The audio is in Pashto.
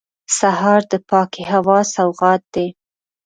سهار د پاکې هوا سوغات دی.